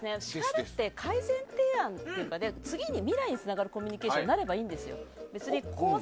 叱るって改善提案っていうか未来につながるコミュニケーションになればいいんですよ。